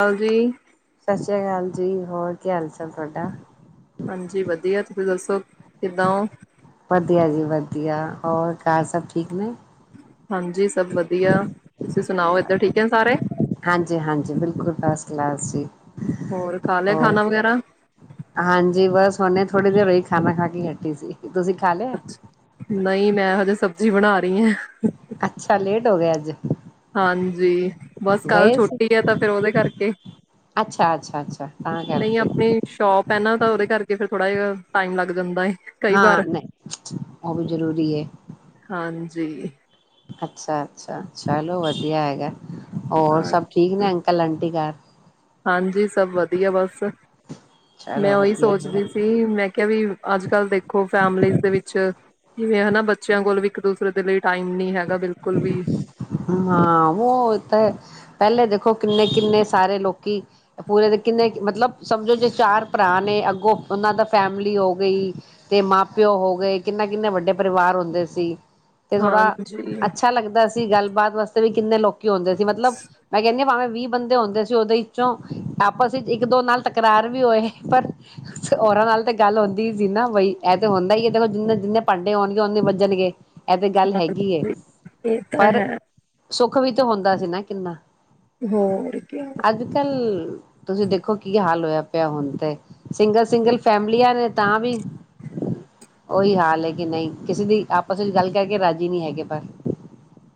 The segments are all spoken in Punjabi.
ਹਾਂ ਜੀ। ਸ਼ਸ਼ੀ ਅਕਾਲ ਜੀ। ਹੋਰ ਕੀ ਹਾਲ ਚ ਤੁਹਾਡਾ? ਹਾਂਜੀ ਵਧੀਆ। ਤੁਸੀਂ ਦੱਸੋ ਕਿੱਦਾਂ ਹੋ? ਵਧੀਆ ਜੀ ਵਧੀਆ ਜੀ। ਹੋਰ ਘਰ ਸਭ ਠੀਕ ਨੇ? ਹਾਂਜੀ ਸਭ ਵਧੀਆ। ਤੁਸੀਂ ਸੁਣਾਓ ਇੱਧਰ ਠੀਕ ਏ ਸਾਰੇ? ਹਾਂਜੀ- ਹਾਂਜੀ। ਬਿਲਕੁਲ ਫਸਟ ਕਲਾਸ ਜੀ। ਹੋਰ ਖਾ ਲਿਆ ਹੋਰ ਖਾਣਾ ਵਗੈਰਾ? ਹਾਂਜੀ, ਬਸ ਉਹਨੇ ਥੋੜ੍ਹੀ ਦੇਰ ਹੀ ਖਾਣਾ ਖਾ ਕੇ ਹਟੇ ਸੀ। ਤੁਸੀ ਖਾ ਲਿਆ ਏ? ਅੱਛਾ ਨਹੀਂ, ਮੈਂ ਹੋਜੇ ਸਬਜ਼ੀ ਬਣਾ ਰਹੀ ਆ। ਅੱਛਾ, ਲੇਟ ਹੋ ਗਿਆ ਅੱਜ। ਹਾਂਜੀ, ਬਸ ਕੱ ਗਏ ਸੀ ਛੁੱਟੀ ਆ ਤਾਂ ਫਿਰ ਉਹਦੇ ਕਰਕੇ। ਅੱਛਾ ਅੱਛਾ ਅੱਛਾ ਤਾਂ ਨਹੀਂ ਕਰਕੇ। ਆਪਣੀ ਸ਼ੋਪ ਏ ਨਾ ਤਾਂ ਉਹਦੇ ਕਰਕੇ ਫਿਰ ਥੋੜਾ ਜਾ ਟਾਈਮ ਲੱਗ ਜਾਂਦਾ ਏ। ਹਾਂ ਨਹੀਂ [unintelligible] ਉਹ ਵੀ ਜ਼ਰੂਰੀ ਐ। ਹਾਂਜੀ ਅੱਛਾ ਅੱਛਾ ਚਲੋ ਵਧੀਆ ਹੈਗਾ। ਔਰ ਹਾਂ ਸਭ ਠੀਕ ਨੇ ਅੰਕਲ ਆਂਟੀ ਘਰ। ਹਾਂਜੀ ਸਭ ਵਧੀਆ ਬਸ। ਮੈਂ ਚਲੋ ਉਹੀ ਵਧੀਆ ਹੈਗਾ ਸੋਚਦੀ ਸੀ ਤੇ ਮੈਂ ਕਿਹਾ ਵੀ ਅੱਜ-ਕੱਲ੍ਹ ਦੇਖੋ ਫੈਮਲੀਜ਼ ਦੇ ਵਿੱਚ ਕਿਵੇਂ ਹਨਾ ਬੱਚਿਆਂ ਕੋਲ ਵੀ ਇੱਕ ਦੂਸਰੇ ਦੇ ਲਈ ਟਾਈਮ ਨੀ ਹੈਗਾ ਬਿਲਕੁਲ ਵੀ। ਹਾਂ ਵੋ ਹੋਤਾ ਤਾਂ ਪਹਿਲੇ ਦੇਖੋ ਕਿੰਨੇ-ਕਿੰਨੇ ਸਾਰੇ ਲੋਕੀ ਪੂਰੇ ਦੇ ਕਿੰਨੇ ਮਤਲਬ ਸਮਝੋ ਜੇ ਚਾਰ ਭਰਾ ਨੇ ਅੱਗੋਂ ਉਹਨਾਂ ਦਾ ਫੈਮਿਲੀ ਹੋ ਗਈ। ਤੇ ਮਾਂ ਪਿਓ ਹੋ ਗਏ। ਕਿੰਨਾ-ਕਿੰਨੇ ਵੱਡੇ ਪਰਿਵਾਰ ਹੁੰਦੇ ਸੀ। ਤੇ ਥੋੜ੍ਹਾ ਹਾਂਜੀ ਅੱਛਾ ਲੱਗਦਾ ਸੀ। ਗੱਲਬਾਤ ਵਾਸਤੇ ਵੀ ਕਿੰਨੇ ਲੋਕੀ ਆਉਂਦੇ ਸੀ ਮਤਲਬ ਮੈਂ ਕਹਿੰਣੀ ਹਾਂ ਭਾਵੇਂ ਵੀਹ ਬੰਦੇ ਹੁੰਦੇ ਸੀ। ਉਹਦੇ ਵਿੱਚੋਂ ਆਪਸ ਵਿੱਚ ਇੱਕ- ਦੋ ਨਾਲ ਤਕਰਾਰ ਵੀ ਹੋਏ। ਪਰ ਔਰਾਂ ਨਾਲ ਤੇ ਗੱਲ ਹੁੰਦੀ ਸੀ ਨਾ ਬਈ ਇਹ ਤੇ ਹੁੰਦਾ ਹੀ ਹੈ। ਚਲੋ ਜਿੰਨੇ-ਜਿੰਨੇ ਭਾਂਡੇ ਹੋਣਗੇ ਉਨੇ ਵੱਜਣਗੇ। ਇਹ ਤੇ ਗੱਲ ਹੈਗੀ ਏ। ਇਹ ਤਾਂ ਪਰ ਹੈ। ਸੁੱਖ ਵੀ ਤਾਂ ਹੁੰਦਾ ਸੀ ਨਾ ਕਿੰਨਾ। ਹੋਰ ਕਿਆ। ਅੱਜ-ਕੱਲ ਤੁਸੀਂ ਦੇਖੋ ਕੀ ਹਾਲ ਹੋਇਆ ਪਿਆ। ਹੁਣ ਤੇ ਸਿੰਗਲ-ਸਿੰਗਲ ਫੈਮਲੀਆਂ ਨੇ ਤਾਂ ਵੀ ਉਹੀ ਹਾਲ ਹੈ ਕਿ ਨਹੀਂ ਕਿਸੇ ਦੀ ਆਪਸ ਵਿੱਚ ਗੱਲ ਕਹਿ ਕੇ ਰਾਜ਼ੀ ਨੀ ਹੈਗੇ। ਪਰ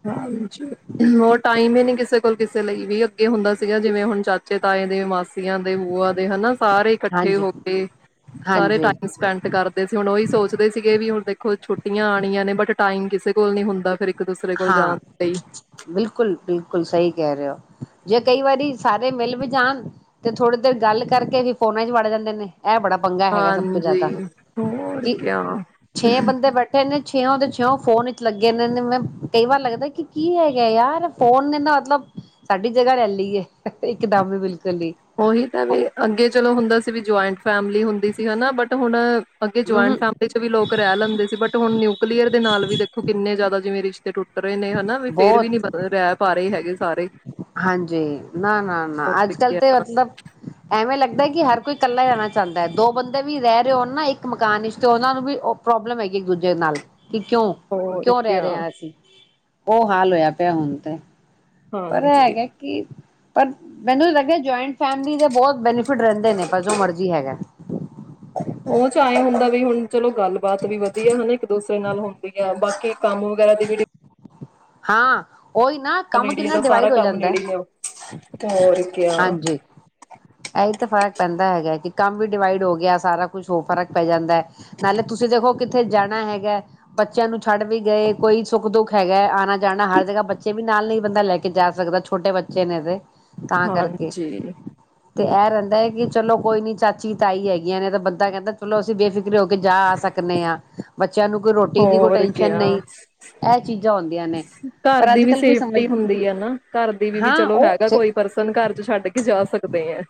ਹਾਂਜੀ ਹੋਰ ਟਾਈਮ ਹੀ ਨੀ ਕਿਸੇ ਕੋਲ ਕਿਸੇ ਲਈ ਵੀ ਅੱਗੇ ਹੁੰਦਾ ਸੀਗਾ। ਜਿਵੇਂ ਹੁਣ ਚਚ ਚਾਚੇ, ਤਾਏ ਦੇ ਮਾਸੀਆਂ ਦੇ ਬੂਆ ਦੇ ਹਨਾ ਸਾਰੇ ਕੱਠੇ ਹਾਂਜੀ ਹੋ ਕੇ ਸਾਰੇ ਹਾਂਜੀ ਟਾਇਮ ਸਪੈਟ ਕਰ ਸੀ ਹੁਣ ਉਹੀ ਸੋਚਦੇ ਸੀਗੇ ਵੀ ਹੁਣ ਦੇਖੋ ਛੁੱਟੀਆਂ ਆਣੀਆਂ ਨੇ ਬਟ ਟਾਈਮ ਕਿਸੇ ਕੋਲ ਨੀ ਹੁੰਦਾ। ਫਿਰ ਇੱਕ ਦੂਸਰੇ ਕੋਲ ਹਾਂ। ਜਾਣ ਲਈ ਬਿਲਕੁਲ-ਬਿਲਕੁਲ ਸਹੀ ਕਹਿ ਰਹੇ ਹੋ। ਜੇ ਕਈ ਵਾਰੀ ਸਾਰੇ ਮਿਲ ਵੀ ਜਾਣ ਤੇ ਥੋੜੀ ਦੇਰ ਗੱਲ ਕਰਕੇ ਵੀ ਫੋਨਾਂ ਚ ਵੜ ਜਾਂਦੇ ਨੇ। ਇਹ ਬੜਾ ਪੰਗਾ ਹੈਗਾ ਸਭ ਤੋਂ ਜ਼ਿਆਦਾ ਹਾਂਜੀ ਹੋਰ ਕਿ ਕਿਆ ਛੇ ਬੰਦੇ ਬੈਠੇ ਕਨੇ ਛੇਓਂ ਛੇਂ [unintelligible] ਫੋਨ ਵਿੱਚ ਲੱਗੇਦੇ ਮੈਂ ਕਈ ਵਾਰ ਲੱਗਦਾ ਕਿ ਕੀ ਹੈਗਾ ਯਾਰ ਫੋਨ ਨੇ ਨਾ ਮਤਲਬ ਸਾਡੀ ਜਗਾ ਲੈ ਲੀ ਏ। ਇੱਕਦਮ ਵੀ ਬਿਲਕੁਲ। ਉਹੀ ਤਾਂ ਵੀ ਅੱਗੇ ਚਲੋ ਹੁੰਦਾ ਸੀ ਵੀ ਜੁਆਇੰਟ ਫੈਮਿਲੀ ਹੁੰਦੀ ਸੀ ਹਨਾ। ਬਟ ਹੁਣ ਅੱਗੇ ਜਆਇੰਟ ਹੂੰ ਫੈਮਿਲੀ 'ਚ ਵੀ ਲੋਕ ਰਹਿ ਲੈਂਦੇ ਸੀ। ਬਟ ਹੁਣ ਨਿਊਕਲੀਅਰ ਦੇ ਨਾਲ ਵੀ ਦੇਖੋ ਕਿੰਨੇ ਜ਼ਿਆਦਾ ਜਿਵੇਂ ਰਿਸ਼ਤੇ ਟੁੱਟ ਰਹੇ ਨੇ ਹਨਾ। ਫੇਰ ਵੀ ਬਹੁਤ ਨੀ ਪ ਰਹਿ ਪਾ ਰਹੇ ਹੈਗੇ ਸਾਰੇ। ਹਾਂਜੀ ਨਾ-ਨਾ, ਨਾ ਅੱਜ-ਕੱਲ੍ਹ ਤੇ ਮਤਲਬ ਐਵੇਂ ਲੱਗਦਾ ਕਿ ਹਰ ਕੋਈ ਇਕੱਲਾ ਰਹਿਣਾ ਚਾਹਦਾ। ਦੋ ਬੰਦੇ ਵੀ ਰਹਿ ਰਹੇ ਹੋਣ ਨਾ ਇੱਕ ਮਕਾਨ ਵਿੱਚ ਤੇ ਉਹਨਾਂ ਵੀ ਪ੍ਰੋਬਲਮ ਹੈਗੀ ਇੱਕ ਦੂਜੇ ਨਾਲ ਕਿ ਹੋਰ ਕਿਉਂ-ਕਿਉਂ ਰਹਿ ਕਿਆ ਰਹੇ ਆ ਅਸੀਂ ਉਹ ਹਾਲ ਹੋਇਆ ਪਿਆ ਹੁਣ ਤੇ। ਪਰ ਹਾਂਜੀ ਹੈਗੇ ਕਿ ਪਰ ਮੈਨੂੰ ਲੱਗਿਆ ਜੁਆਇੰਟ ਫੈਮਿਲੀ ਦੇ ਬਹੁਤ ਬੈਨੀਫਿਟ ਰਹਿੰਦੇ ਨੇ। ਪਰ ਜੋ ਮਰਜੀ ਹੈਗਾ। ਉਹ 'ਚ ਆਏ ਹੁੰਦਾ ਵੀ ਹੁਣ ਚਲੋ ਗੱਲਬਾਤ ਵੀ ਵਧੀਆ ਹਨਾ ਇੱਕ ਦੂਸਰੇ ਨਾਲ ਹੁੰਦੀ। ਬਾਕੀ ਕੰਮ ਵਗੈਰਾ ਦੀ ਵੀ ਹਾਂ ਓਈ ਨਾ ਕੰਮ ਨੇੜੀਏ ਕਿੰਨਾ ਦਾ ਸਾਰਾ ਡਿਵਾਈਡ ਹੋ ਕੰਮ ਜਾਂਦਾ ਹੈ। ਨੇੜੀ ਆ, ਤੇ ਹੋਰ ਕਿਆ ਹਾਂਜੀ। ਇਹੀ ਤਾਂ ਫਰਕ ਪੈਂਦਾ ਹੈਗਾ, ਕਿ ਕੰਮ ਵੀ ਡਿਵਾਈਡ ਹੋ ਗਿਆ, ਸਾਰਾ ਕੁਛ ਹੋਰ ਫਰਕ ਪੈ ਜਾਂਦਾ ਹੈ। ਨਾਲੇ ਤੁਸੀਂ ਦੇਖੋ ਕਿੱਥੇ ਜਾਣਾ ਹੈਗਾ? ਬੱਚਿਆਂ ਨੂੰ ਛੱਡ ਵੀ ਗਏ, ਕੋਈ ਸੁੱਖ ਦੁੱਖ ਹੈਗਾ, ਆਉਣਾ ਜਾਣਾ ਹਰ ਜਗ੍ਹਾ, ਬੱਚੇ ਵੀ ਨਾਲ ਨਹੀਂ ਬੰਦਾ ਲੈ ਕੇ ਜਾ ਸਕਦਾ। ਛੋਟੇ ਬੱਚੇ ਨੇ ਇਹਦੇ, ਤਾਂ ਕਰਕੇ। ਹਾਂਜੀ ਤੇ ਇਹ ਰਹਿੰਦਾ ਹੈ, ਕਿ ਚਲੋ ਕੋਈ ਨੀ ਚਾਚੀ, ਤਾਈ ਹੈਗੀਆਂ ਨੇ, ਤਾਂ ਬੰਦਾ ਕਹਿੰਦਾ ਚਲੋ, ਅਸੀਂ ਬੇਫਿਕਰ ਹੋ ਕੇ ਜਾ ਆ ਸਕਦੇ ਆ, ਬੱਚਿਆਂ ਨੂੰ ਕੋਈ ਰੋਟੀ ਦੀ ਕੋਈ ਹੋਰ ਟੈਨਸ਼ਨ ਕਿਆ ਨਹੀਂ। ਐ ਚੀਜ਼ਾਂ ਹੁੰਦੀਆਂ ਨੇ। ਘਰ ਪਰ ਦੀ ਅੱਜ ਵੀ ਕੱਲ ਕੋਈ ਸਮਝ ਸੇਫਟੀ ਹੁੰਦੀ ਆ ਨਾ, ਘਰ ਦੀ ਵੀ, ਵੀ ਹਾਂ ਚਲੋ ਹੈਗਾ ਉਹ ਕੋਈ ਪਰਸਨ ਘਰ। ਤੇ ਛੱਡ ਕੇ ਜਾ ਸਕਦੇ ਆ।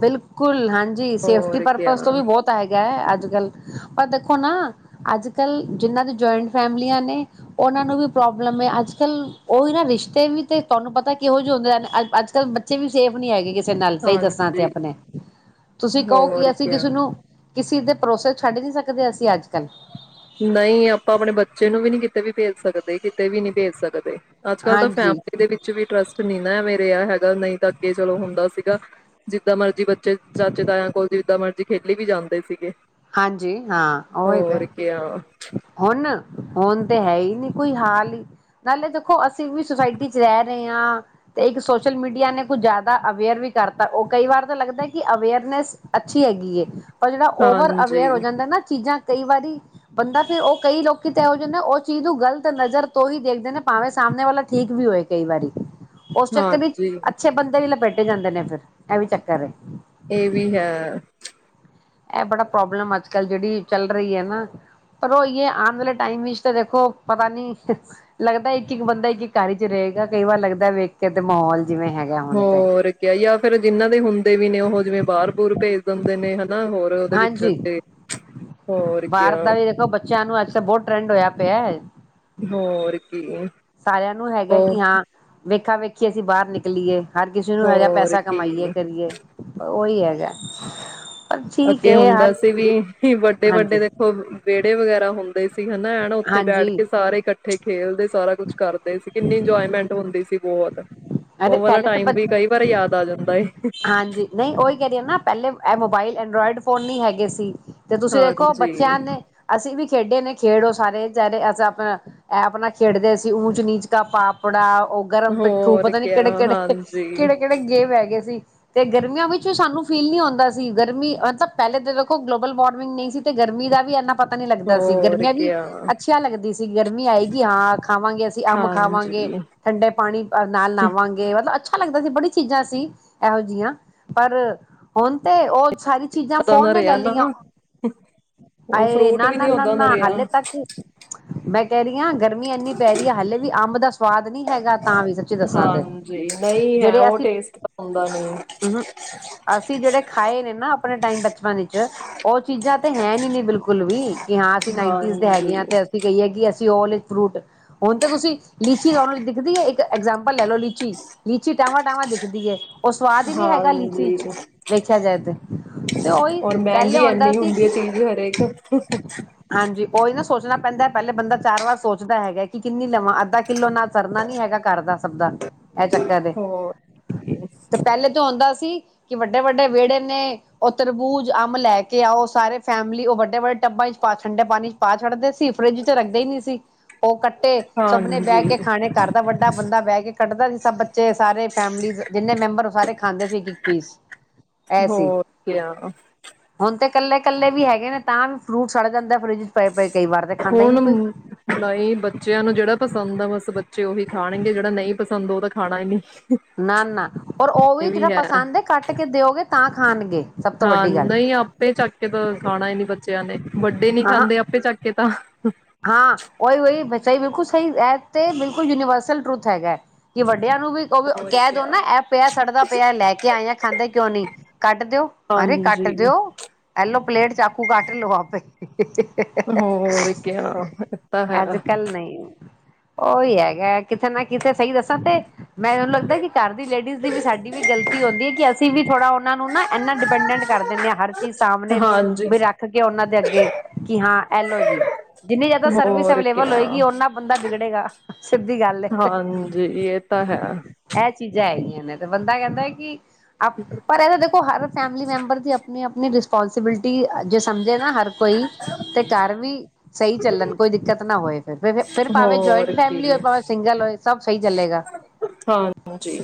ਬਿਲਕੁਲ ਹਾਂਜੀ, ਸੇਫਟੀ ਕਿਆ ਪਰਪਜ਼ ਤੋਂ ਵੀ ਬਹੁਤ ਹੈਗਾ ਹੈ, ਅੱਜ-ਕੱਲ੍ਹ ਪਰ ਦੇਖੋ ਨਾ ਅੱਜ ਕੱਲ ਜਿਹਨਾ ਦੇ ਜੁਆਇੰਟ ਫੈਮਲੀਆ ਨੇ ਉਹਨਾ ਨੂੰ ਵੀ ਪ੍ਰੋਬਲਮ ਏ, ਅੱਜ ਕੱਲ੍ਹ, ਉਹੀ ਨਾ ਰਿਸ਼ਤੇ ਵੀ ਤੇ ਤੁਹਾਨੂੰ ਪਤਾ ਕਿਹੋ ਜਿਹੇ ਹੁੰਦੇ ਰਹੇ ਨੇ, ਅੱਜ ਕੱਲ੍ਹ ਬ ਬੱਚੇ ਵੀ ਸੇਫ ਨੀ ਹੈਗੇ ਕਿਸੇ ਨਾਲ, ਸਹੀ ਦੱਸਾ ਤੇ ਹਾਂਜੀ ਆਪਣੇ, ਤੁਸੀ ਕਹੋ ਕਿ ਹੋਰ ਅਸੀ ਕਿਆ ਕਿਸੇ ਨੂੰ ਕਿਸੇ ਦੇ ਭਰੋਸੇ ਛੱਡ ਨਹੀ ਸਕਦੇ, ਅਸੀ ਅੱਜ ਕੱਲ੍ਹ। ਨਹੀ ਆਪਾ ਆਪਣੇ ਬੱਚੇ ਨੂੰ ਵੀ ਕਿਤੇ ਵੀ ਭੇਜ ਸਕਦੇ, ਕਿਤੇ ਵੀ ਨਹੀ ਭੇਜ ਸਕਦੇ। ਅੱਜ ਕੱਲ੍ਹ ਤਾ ਹਾਂਜੀ ਫੈਮਲੀ ਦੇ ਵਿੱਚ ਵੀ ਟਰਸਟ ਨਹੀ ਨਾ ਐਵੇ ਰਿਹਾ ਹੈਗਾ, ਨਹੀ ਤਾ ਅੱਗੇ ਚਲੋ ਹੁੰਦਾ ਸੀਗਾ। ਜਿੱਦਾ ਮਰਜੀ ਬੱਚੇ ਚਾਚੇ, ਤਾਇਆ ਕੋਲ, ਜਿੱਦਾ ਮਰਜੀ ਖੇਲੀ ਵੀ ਜਾਦੇ ਸੀਗੇ। ਹਾਜੀ ਹਾ, ਉਹੀ ਤੇ। [inaudible] ਹੁਣ, ਹੁਣ ਤੇ ਹੈ ਈ ਨੀ ਕੋਈ ਹਾਲ ਈ। ਨਾਲੇ ਦੇਖੋ, ਅਸੀ ਵੀ ਸੁਸਾਇਟੀ ਚ ਰਹਿ ਰਹੇ ਆ। ਤੇ, ਇੱਕ ਸੋਸ਼ਲ ਮੀਡੀਆ ਨੇ ਕੁਝ ਜਿਆਦਾ ਅਵੇਅਰ ਵੀ ਕਰਤਾ, ਉਹ ਕਈ ਵਾਰ ਤਾ ਲੱਗਦਾ, ਕਿ ਅਵੇਅਰਨੈਸ ਅੱਛੀ ਹੈਗੀ ਏ, ਪਰ ਜਿਹੜਾ ਓਵਰ ਹਾਂਜੀ ਅਵੇਅਰ ਹੋ ਜਾਦਾ ਨਾ, ਚੀਜਾ ਕਈ ਵਾਰੀ ਬੰਦਾ ਫਿਰ ਉਹ ਕਈ ਲੋਕੀ ਤੇ ਇਹੋ ਜਿਹੇ ਨੇ, ਉਹ ਚੀਜ ਨੂੰ ਗਲਤ ਨਜ਼ਰ ਤੋ ਹੀ ਦੇਖਦੇ ਨੇ, ਭਾਵੇ ਸਾਮਣੇ ਵਾਲਾ ਠੀਕ ਵੀ ਹੋਏ। ਕਈ ਵਾਰੀ ਉਸ ਚੱਕਰ ਵਿੱਚ, ਹਾਂਜੀ ਅੱਛੇ ਬੰਦੇ ਹੀ ਲਪੇਟੇ ਜਾਦੇ ਨੇ ਫਿਰ, ਇਹ ਵੀ ਚੱਕਰ ਏ। ਇਹ ਵੀ ਹੈ। ਇਹ ਬੜਾ ਪ੍ਰੋਬਲਮ ਆ ਅੱਜ ਕੱਲ, ਜਿਹੜੀ ਚੱਲ ਰਹੀ ਏ ਨਾ। ਪਰ ਉਈ ਏ, ਆਣ ਵਾਲੇ ਟਾਈਮ ਵਿੱਚ ਤਾ ਵੇਖੋ, ਪਤਾ ਨੀ। ਲੱਗਦਾ ਇੱਕ- ਇੱਕ ਬੰਦਾ ਇੱਕ- ਇੱਕ ਘਰ ਵਿੱਚ ਰਹੇਗਾ, ਕਈ ਵਾਰ ਲੱਗਦਾ, ਵੇਖ ਕੇ ਤੇ ਮਾਹੌਲ ਜਿਵੇ ਹੈਗਾ। ਹੁਣ ਤੇ ਹੋਰ, ਕਿਆ ਜਾ ਫਿਰ ਜਿੰਨਾ ਦੇ ਹੁੰਦੇ ਵੀ ਨੇ, ਉਹ ਜਿਵੇ ਬਾਹਰ ਬੂਰ ਭੇਜ ਦਿੰਦੇ ਨੇ ਹਨਾ ਹੋਰ, ਉਹਦੇ ਵਿੱਚ ਤੇ। ਹੋਰ ਬਾਹਰ ਕਿਆ ਦਾ ਤੇ ਦੇਖੋ ਬੱਚਿਆ ਨੂੰ, ਅੱਜ ਕਲ੍ਹ ਬਹੁਤ ਟਰੈਡ ਹੋਇਆ ਪਿਆ ਏ। ਹੋਰ ਕੀ ਏ। ਸਾਰਿਆ ਨੂੰ ਹੈਗਾ ਕਿ ਹਾ, ਵੇਖਾ ਵੇਖੀਏ ਅਸੀ ਬਾਹਰ ਨਿਕਲੀਏ। ਹਰ ਕਿਸੇ ਨੂੰ ਹੈਗਾ ਹੋਰ ਪੈਸਾ ਕੀ ਕਮਾਈਏ ਕਰੀਏ, ਉਹੀ ਹੈਗਾ। ਪਰ ਠੀਕ ਅੱਗੇ ਹੈ ਹੁੰਦਾ ਹਰ ਸੀ ਵੀ, ਵੱਡੇ- ਵੱਡੇ ਹਾਂਜੀ ਵੇਖੋ, ਵਿਹੜੇ ਵਗੈਰਾ ਹੁੰਦੇ। ਵੀ ਸੀ ਹਨਾ, ਹਨਾ ਉੱਥੇ ਬੈਠ ਹਾਂਜੀ ਕੇ ਸਾਰੇ ਇਕੱਠੇ ਕੱਠੇ ਖੇਲਦੇ, ਸਾਰਾ ਕੁਛ ਕਰਦੇ ਸੀ, ਕਿੰਨੀ ਇੰਜੋਏਮੈਂਟ ਹੁੰਦੀ ਸੀ, ਬਹੁਤ। ਅਰੇ ਉਹ ਵਾਲਾ ਪਹਿਲੇ ਟਾਈਮ ਵੀ, ਕਈ ਵਾਰ ਯਾਦ ਆ ਜਾਦਾ ਏ। ਹਾਜੀ ਨਹੀ ਉਹੀ ਕਹਿ ਰਹੀ ਨਾ, ਪਹਿਲੇ ਇਹ ਮੋਬਾਇਲ ਐਡਰੋਇਡ ਫੋਨ ਨਹੀ ਹੈਗੇ ਸੀ। ਤੇ ਤੁਸੀ ਵੇਖੋ ਹਾਂਜੀ ਬੱਚਿਆ ਨੇ, ਅਸੀ ਵੀ ਖੇਡੇ ਨੇ, ਖੇਡਓ ਸਾਰੇ ਜਨੇ, ਅਸੀ ਆਪਣਾ ਇਹ ਆਪਣਾ ਖੇਡਦੇ ਸੀ, ਊਚ ਨੀਚ ਕਾ ਪਾਪੜਾ, ਉਹ ਗਰਮ ਪਿੱਠੂ, ਹੋਰ ਪਤਾ ਨੀ ਕਿਆ ਕਿਹੜੇ- ਕਿਹੜੇ, ਹਾਂਜੀ ਕਿਹੜੇ- ਕਿਹੜੇ ਗੇਮ ਹੈਗੇ ਸੀ। ਤੇ ਗਰਮੀਆਂ ਵਿੱਚ ਵੀ ਸਾਨੂੰ ਫੀਲ ਨਹੀ ਹੁੰਦਾ ਸੀ। ਗਰਮੀ ਮਤਲਬ ਪਹਿਲੇ ਤੇ ਦੇਖੋ ਗਲੋਬਲ ਵਾਰਮਿੰਗ ਨਹੀ ਸੀ। ਤੇ ਗਰਮੀ ਦਾ ਵੀ ਇੰਨਾ ਪਤਾ ਨੀ ਲੱਗਦਾ ਸੀ। ਹੋਰ ਗਰਮੀਆ ਵੀ ਕਿਆ ਅੱਛੀਆ ਲੱਗਦੀ ਸੀ ਗਰਮੀ ਆਏਗੀ ਹਾ ਖਾਵਾਗੇ ਅਸੀ ਅੰਬ ਖਾਵਾਗੇ। ਹਾਂਜੀ ਠੰਡੇ ਪਾਣੀ ਨਾਲ ਨਾਵਾਗੇ ਮਤਲਬ ਅੱਛਾ ਲੱਗਦਾ ਸੀ, ਬੜੀ ਚੀਜਾ ਸੀ। ਇਹੋ ਜਿਹੀਆ ਪਰ ਹੁਣ ਤੇ ਉਹ ਸਾਰੀ ਚੀਜਾ ਪਤਾ ਫੋਨ ਨਾ ਨੇ ਲੈ ਰਿਹਾ ਲਈਆ। ਨਾ ਹੁਣ ਆਏ ਫਰੂਟ ਨਾ- ਵੀ ਨੀ ਓਦਾਂ ਨਾ-ਨਾ ਦਾ ਰਿਹਾ ਹੱਲੇ ਤੱਕ। ਮੈ ਕਹਿ ਰਹੀ ਆ ਗਰਮੀ ਇੰਨੀ ਪੈ ਰਹੀ ਆ, ਹਾਲੇ ਵੀ ਅੰਬ ਦਾ ਸਵਾਦ ਨੀ ਹੈਗਾ ਤਾ ਵੀ। ਦੱਸਾਂ ਤੇ ਹਾਜੀ ਜੀ, ਨਹੀ ਹੈ ਉਹ ਟੇਸਟ ਤਾ ਆਉਦਾ ਨੀ। ਉ ਹਮ ਅਸੀ ਜਿਹੜੇ ਖਾਏ ਨੇ ਨਾ ਆਪਣੇ ਟਾਈਮ ਬਚਪਨ ਵਿੱਚ ਉਹ ਚੀਜਾ ਤੇ ਹੈ ਨੀ ਬਿਲਕੁਲ ਵੀ ਕਿ ਹਾਂ ਅਸੀ ਨਾਈਨਟੀਜ਼ ਦੇ ਹੈਗੇ ਆ ਹਾਂਜੀ ਤੇ। ਅਸੀ ਕਹੀਏ ਕਿ ਅਸੀ ਉਹ ਵਾਲੇ ਫਰੂਟ। ਹੁਣ ਤੇ ਤੁਸੀ ਲੀਚੀ ਲਾਲੋ ਦਿਖਦੀ ਏ ਇੱਕ ਐਗਜਾਮਪਲ ਲੈ ਲਓ ਲੀਚੀ। ਲੀਚੀ ਟਾਵਾ-ਟਾਵਾ ਦਿਖਦੀ ਏ, ਉਹ ਸਵਾਦ ਈ ਨੀ ਹੈਗਾ ਲੀਚੀ ਹਾਂਜੀ ਚ। ਵੇਖਿਆ ਜਾਏ ਤੇ, ਤੇ ਉਹੀ ਔਰ ਪਹਿਲੇ ਮਹਿੰਗੀ ਆਉਦਾ ਐੰਨੀ ਸੀ ਹੁੰਦੀ ਹੈ ਕਿ ਚੀਜ਼ ਹਰੇਕ ਹਾਂਜੀ, ਉਹੀ ਨਾ ਸੋਚਣਾ ਪੈਂਦਾ ਪਹਿਲੇ ਬੰਦਾ ਚਾਰ ਵਾਰ ਸੋਚਦਾ ਹੈਗਾ ਕਿ ਕਿੰਨੀ ਲਵਾਂ ਅੱਧਾ ਕਿੱਲੋ ਨਾ ਸਰਨਾ ਨੀ ਹੈਗਾ ਘਰਦਾ ਸਭ ਦਾ ਇਹ ਚੱਕਰ ਏ ਹੋਰ [unintelligible] ਤੇ ਪਹਿਲੇ ਤੋਂ ਹੁੰਦਾ ਸੀ, ਕਿ ਵੱਡੇ -ਵੱਡੇ ਵਿਹੜੇ ਨੇ ਉਹ ਤਰਬੂਜ, ਅੰਬ ਲੈ ਕੇ ਆਓ ਸਾਰੇ ਫੈਮਲੀ ਉਹ ਵੱਡੇ- ਵੱਡੇ ਟੱਬਾਂ ਚ ਪਾ ਠੰਡੇ ਪਾਣੀ ਪਾ ਛੱਡਦੇ ਸੀ, ਫਰਿੱਜ ਚ ਰੱਖਦੇ ਹੀ ਨਹੀਂ ਸੀ। ਉਹ ਕੱ ਤੇ ਸਭ ਨੇ ਬਹਿ ਹਾਂਜੀ ਕੇ ਖਾਣੇ ਘਰਦਾ ਵੱਡਾ ਬੰਦਾ ਬਹਿ ਕੇ ਕੱਟਦਾ ਸੀ ਸਭ ਬੱਚੇ ਸਾਰੇ ਫੈਮਲੀਜ ਜਿੰਨੇ ਮੈਂਬਰ ਉਹ ਸਾਰੇ ਖਾਂਦੇ ਸੀ ਇੱਕ -ਇੱਕ ਪੀਸ। ਇਹ ਸੀ ਹੋਰ, ਕਿਆ ਆ। ਹੁਣ ਤੇ ਇਕੱਲੇ -ਇਕੱਲੇ ਵੀ ਹੈਗੇ ਨੇ ਤਾਂ ਵੀ ਫਰੂਟ ਸੜ ਜਾਂਦਾ ਫਰਿੱਜ 'ਚ ਪਏ -ਪਏ ਕਈ ਵਾਰ ਤਾਂ ਹੁਣ। ਬਾਈ ਬੱਚਿਆਂ ਨੂੰ ਜਿਹੜਾ ਪਸੰਦ ਆ, ਬਸ ਬੱਚੇ ਉਹੀ ਖਾਣਗੇ, ਜਿਹੜਾ ਨਹੀਂ ਪਸੰਦ ਉਹ ਤਾਂ ਖਾਣਾ ਹੀ ਨਹੀਂ। ਨਾ- ਨਾ ਔਰ ਉਹ ਵੀ ਜਿਹੜਾ ਪਸੰਦ ਹੈ, ਕੱਟ ਕੇ ਦਿਓਗੇ ਤਾਂ ਖਾਣਗੇ। ਸਭ ਤੋਂ ਹਾਂ ਵੱਡੀ ਗੱਲ ਨਹੀਂ ਆਪੇ ਚੱਕ ਕੇ ਤਾਂ ਖਾਣਾ ਹੀ ਨੀ ਬੱਚਿਆਂ ਨੇ ਵੱਡੇ ਨੀ ਹਾਂ ਖਾਂਦੇ ਆਪੇ ਕੇ ਤਾਂ ਹਾਂ, ਉਹੀ-ਉਹੀ ਸਹੀ ਬਿਲਕੁਲ ਸਹੀ ਇਹ ਬਿਲਕੁਲ ਯੂਨੀਵਰਸਲ ਟਰੂਥ ਹੈਗਾ ਐਂ। ਕਿ ਵੱਡਿਆਂ ਨੂੰ ਵੀ ਉਹ ਹੋਰ ਕਹਿ ਦੋ ਕਿਆ ਨਾ, ਇਹ ਪਿਆ ਸੜਦਾ ਪਿਆ ਲੈ ਕੇ ਆਏ ਖਾਂਦੇ ਕਿਉਂ ਨਹੀ? ਕੱਢ ਦਿਓ, ਅਰੇ ਕੱਟ ਹਾਂਜੀ ਦਿਉ, ਐਲੋ ਪਲੇਟ ਚਾਕੂ ਕੱਟ ਲਓ ਆਪੇ ਹੋਰ, ਕਿਆ, ਇਹ ਤਾਂ ਹੈ। ਕੱਲ੍ਹ ਨਹੀ। ਉਹੀ ਹੈਗਾ, ਕਿਤੇ ਨਾ ਕਿਤੇ ਸਹੀ ਦੱਸਾਂ ਤੇ ਮੈਨੂੰ ਲੱਗਦਾ ਕਿ ਘਰ ਦੀ ਲੇਡੀਜ਼ ਦੀ ਵੀ ਸਾਡੀ ਵੀ ਗਲਤੀ ਹੁੰਦੀ ਹੈ, ਕਿ ਅਸੀਂ ਵੀ ਥੋੜਾ ਉਹਨਾਂ ਨੂੰ ਨਾ ਇੰਨਾ ਡਿਪੈਂਡੈਂਟ ਕਰ ਦਿੰਦੇ ਹਾਂ ਹਰ ਕੀ ਸਾਹਮਣੇ ਹਾਂਜੀ ਵੀ ਰੱਖ ਕੇ ਉਹਨਾਂ ਦੇ ਅੱਗੇ ਕਿ ਹਾਂ ਐਲੋ ਜੀ। ਜਿੰਨੀ ਜ਼ਿਆਦਾ ਸਰਵਿਸ ਹੋਰ ਅਵੇਲੇਬਲ ਕਿਆ ਹੋਏਗੀ ਉਹਨਾ ਬੰਦਾ ਵਿਗੜੇਗਾ, ਸਿੱਧੀ ਗੱਲ ਹਾਂਜੀ ਇਹ ਤਾਂ ਹੈ ਐਹ ਚੀਜ਼ਾਂ ਹੈਗੀਆਂ ਨੇ ਤੇ, ਬੰਦਾ ਕਹਿੰਦਾ ਕੀ, ਪਰ ਇਹ ਦੇਖੋ ਹਰ ਫੈਮਲੀ ਮੈਂਬਰ ਦੀ ਆਪਣੀ -ਆਪਣੀ ਰਿਸਪੋਂਸੀਬਿਲਟੀ ਜੇ ਸਮਝੇ ਨਾ ਹਰ ਕੋਈ ਤੇ ਘਰ ਵੀ ਸਹੀ ਚੱਲਣ ਕੋਈ ਦਿੱਕਤ ਨਾ ਹੋਏ ਫਿਰ- ਫ- ਫਿਰ ਭਾਵੇਂ ਹੋਰ ਜੁਆਇੰਟ ਕੀ ਫੈਮਲੀ ਹੋਏ ਭਾਵੇਂ ਸਿੰਗਲ ਹੋਏ ਸਭ ਸਹੀ ਚੱਲੇਗਾ। ਹਾਂਜੀ।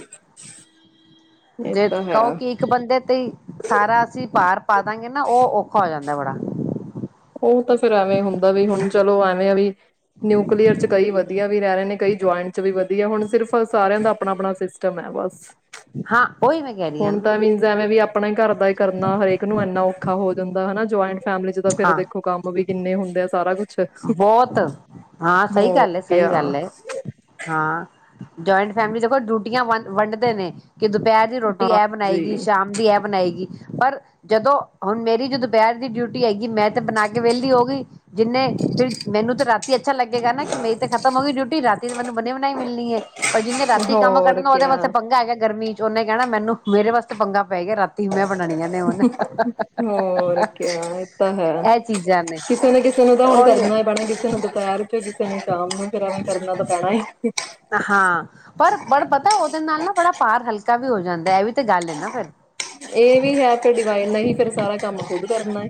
ਇਹ ਜੇ ਤਾਂ ਹੈ ਕਹੋ ਕਿ ਇੱਕ ਬੰਦੇ ਤੇ ਸਾਰਾ ਅਸੀਂ ਭਾਰ ਪਾ ਦਿਆਗੇ ਨਾ ਉਹ ਔਖਾ ਹੋ ਜਾਂਦਾ ਬੜਾ ਉਹ ਤਾਂ ਫੇਰ ਐਵੇਂ ਹੁੰਦਾ ਵੀ ਹੁਣ ਚਲੋ ਐਵੇਂ ਆ ਵੀ ਨਿਊਕਲੀਅਰ ਚ ਕਈ ਵਧੀਆ ਵੀ ਰਹਿ ਰਹੇ ਨੇ, ਕਈ ਜੁਆਇੰਟ ਚ ਵੀ ਵਧੀਆ, ਹੁਣ ਸਿਰਫ ਸਾਰਿਆਂ ਦਾ ਆਪਣਾ -ਆਪਣਾ ਸਿਸ ਟਮ ਹੈ ਬਸ ਹਾਂ ਉਹੀ ਮੈਂ ਕਹਿ ਰਹੀ ਹੁਣ ਤਾਂ ਨਾ ਮੀਨਸ ਐਵੇਂ ਵੀ ਆਪਣੇ ਘਰ ਦਾ ਹੀ ਕਰਨਾ ਹਰੇਕ ਨੂੰ ਇੰਨਾ ਔਖਾ ਹੋ ਜਾਂਦਾ ਹਨਾ, ਜੁਆਇੰਟ ਫੈਮਲੀ 'ਚ ਤਾਂ ਫਿਰ ਹਾਂ ਦੇਖੋ ਕੰਮ ਵੀ ਕਿੰਨੇ ਹੁੰਦੇ ਆ ਸਾਰਾ ਕੁਛ ਬਹੁਤ ਹਾਂ, ਸਹੀ ਹੋਰ ਗੱਲ ਹੈ, ਸਹੀ ਕਿਆ ਗੱਲ ਹੈ। ਹਾਂ, ਜੁਆਇੰਟ ਫੈਮਲੀ ਦੇਖੋ ਡਿਊਟੀਆਂ ਵ- ਵੰਡਦੇ ਨੇ ਕਿ ਦੁਪਹਿਰ ਦੀ ਰੋਟੀ ਐਹ ਬਣਾਏਗੀ ਹਾਂਜੀ ਸ਼ਾਮ ਦੀ ਐਹ ਬਣਾਏਗੀ। ਜਦੋਂ ਹੁਣ ਮੇਰੀ ਜਦ ਦੁਪਹਿਰ ਦੀ ਡਿਊਟੀ ਆਏਗੀ ਮੈਂ ਤੇ ਬਣਾ ਕੇ ਵਿਹਲੀ ਹੋ ਗਈ। ਜਿੰਨੇ ਫਿਰ ਮੈਨੂੰ ਤਾਂ ਰਾਤ ਕੀ ਅੱਛਾ ਲੱਗੇਗਾ ਨਾ, ਕਿ ਮੇਰੀ ਖਤਮ ਹੋ ਗਈ ਡਿਊਟੀ ਰਾਤੀ ਤੋਂ ਮੈਨੂੰ ਬਣੀ -ਬਣਾਈ ਮਿਲਣੀ ਐਂ। ਪਰ ਜਿੰਨੇ ਰਾਤੀ ਕੰਮ ਹੋਰ ਕਰਨਾ। ਉਹਦੇ ਕਿਆ ਵਾਸਤੇ ਪੰਗਾ ਹੈਗਾ ਗਰਮੀ 'ਚ ਉਹਨੇ ਕਹਿਣਾ ਮੈਨੂੰ ਮੇਰੇ ਵਾਸਤੇ ਪੰਗਾ ਪੈ ਗਿਆ। ਰਾਤੀ ਮੈਂ ਬਣਾਣੀਆਂ ਨੇ ਹੁਣ [unintelligible] ਹੋਰ ਕਿਆ, ਇਹ ਤਾਂ ਹੈ। ਇਹ ਚੀਜ਼ਾਂ ਨੇ ਕਿਸੇ ਨਾ ਕਿਸੇ ਉਹ ਤਾਂ ਹੁਣ ਉਹੀ ਕਰਨਾ ਹੀ ਪੈਣਾ ਕਿਸੇ ਨੂੰ ਦੁਪਹਿਰ, ਕਿਸੇ ਨੂੰ ਸ਼ਾਮ ਨੂੰ ਫਿਰ ਕਰਨਾ ਤਾਂ ਪੈਣਾ ਹੀ ਆ ਹਾਂ। ਪਰ -ਪਰ ਪਤਾ ਉਹਦੇ ਨਾਲ ਨਾ ਬੜਾ ਭਾਰ ਹਲਕਾ ਵੀ ਹੋ ਜਾਂਦਾ, ਇਹ ਵੀ ਤਾਂ ਗੱਲ ਹੈ ਨਾ ਫਿਰ ਇਹ ਵੀ ਹੈ ਫ ਡਿਵਾਈ ਨਹੀਂ ਹੀ ਫੇਰ ਸਾਰਾ ਕੰਮ ਖੁਦ ਕਰਨਾ।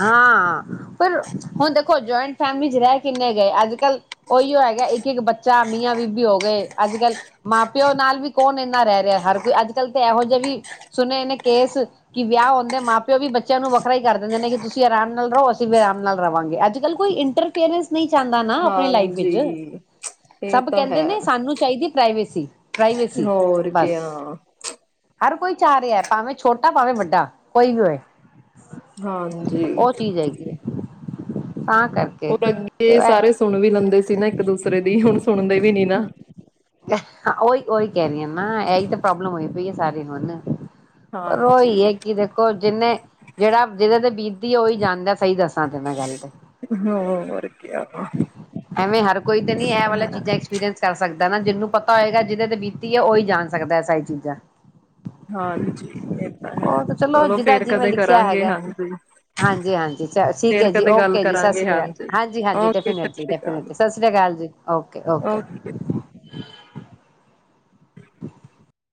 ਹਾਂ, ਪਰ ਹੁਣ ਦੇਖੋ ਜੁਆਇੰਟ ਫੈਮਲੀ ਚ ਰਹਿ ਕਿੰਨੇ ਗਏ? ਅੱਜ ਕੱਲ ਉਹੀਓ ਹੈਗਾ, ਇੱਕ-ਇੱਕ ਬੱਚਾ ਮੀਆਂ ਬੀਵੀ ਹੋ ਗਏ ਅੱਜ- ਕੱਲ ਮਾਂ ਪਿਓ ਨਾਲ ਵੀ ਕੌਣ ਇੰਨਾ ਰਹਿ ਰਿਹਾ ਹਰ ਕੋਈ ਅੱਜ ਕੱਲ੍ਹ ਤਾਂ ਇਹੋ ਜਿਹਾ ਵੀ ਸੁਣੇ ਨੇ ਕੇਸ ਕਿ ਵਿਆਹ ਹੁੰਦੇ ਮਾਂ-ਪਿਓ ਵੀ ਬੱਚਿਆਂ ਨੂੰ ਵੱਖਰਾ ਹੀ ਕਰ ਦਿੰਦੇ ਨੇ ਕਿ ਤੁਸੀਂ ਆਰਾਮ ਨਾਲ ਰਹੋ। ਅਸੀਂ ਵੀ ਆਰਾਮ ਨਾਲ ਰਵਾਂਗੇ। ਅੱਜ-ਕੱਲ੍ਹ ਕੋਈ ਇੰਟਰਫੇਅਰਸ ਨਹੀਂ ਚਾਹੁੰਦਾ ਨਾ, ਆਪਣੇ ਲਾਈਫ ਵਿੱਚ ਹਾਂਜੀ। [inaudible] ਇਹ ਸਭ ਤਾਂ ਕਹਿੰਦੇ ਹੈ ਨੇ ਸਾਨੂੰ ਚਾਹੀਦੀ ਏ ਪ੍ਰਵੇਸੀ [inaudible] ਪ੍ਰਵੇਸੀ ਹੋਰ ਬਸ। ਕਿਆ ਹਰ ਕੋਈ ਚਾਹ ਰਿਹਾ, ਭਾਵੇਂ ਛੋਟਾ ਭਾਵੇਂ ਵੱਡਾ ਕੋਈ ਵੀ ਹੋਵੇ। ਹਾਂਜੀ। [unintelligible] ਉਹ ਚੀਜ਼ ਹੈਗੀ ਹੈ, [unintelligible] ਤਾਂ ਕਰ ਹੋਰ ਅੱਗੇ ਸੁਣ ਵੀ ਲੈਂਦੇ ਸੀ, ਨਾ ਇੱਕ ਦੂਸਰੇ ਦੀ ਹੁਣ ਸੁਣਦੇ ਵੀ ਨੀ ਨਾ [unintelligible] ਉਹੀ ਉਹੀ ਕਹਿ ਰਹੀ ਆ ਨਾ, ਇਹੀ ਤਾਂ ਪ੍ਰੋਬਲਮ ਹੋਈ ਪਈ ਆ ਸਾਰੇ ਹੁਣ। ਪਰ ਉਹੀ ਹਾਂਜੀ ਹੈ, ਕਿ ਦੇਖੋ ਜਿੰਨੇ ਜਿਹੜਾ ਜਿਹਦੇ ਤੇ ਬੀਤਦੀ ਉਹੀ ਜਾਣਦਾ ਸਹੀ ਦੱਸਾਂ ਤੇ ਮੈਂ ਗੱਲ ਤੇ। [unintelligible] ਇਹ ਐਵੇਂ ਹਰ ਕੋਈ ਤੇ ਨੀ ਇਹ ਤਾਂ ਵਾਲਾ ਹੈ [unintelligible] ਕਰ ਸਕਦਾ ਨਾ ਜਿਹਨੂੰ ਪਤਾ ਹੋਏਗਾ, ਜਿਹਦੇ ਤੇ ਬੀਤੀ ਹੈ ਉਹੀ ਜਾਣ ਸਕਦਾ ਹੈ, ਸਾਰੀ ਚੀਜ਼ਾਂ। ਹਾਂਜੀ [unintelligible] ਇਹ ਤਾਂ ਹੈ, ਉਹ ਚਲੋ ਜਿਹਦਾ ਫੇਰ ਜਿਵੇਂ ਕਦੇ ਲਿਖਿਆ ਕਰਾਂਗੇ, ਹੈਗਾ ਹਾਂਜੀ। ਹਾਂਜੀ -ਹਾਂਜੀ, ਠੀਕ ਫੇਰ ਐ ਜੀ। ਕਦੇ ਗੱਲ ਓਕੇ ਜੀ, ਸਤਿ ਕਰਾਂਗੇ ਸ੍ਰੀ ਅਕਾਲ ਹਾਂਜੀ- ਹਾਂਜੀ ਓਕੇ ਸਤਿ ਸ਼੍ਰੀ ਅਕਾਲ ਡੈਫੀਨੇਟਲੀ-ਡੈਫੀਨੇਟਲੀ ਸਾਸਰੀਆ ਕਾਲ ਜੀ। ਓਕੇ-ਓਕੇ। ਓਕੇ [inaudible]